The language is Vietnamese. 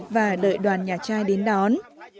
và đợi đoàn nhà trai đến đón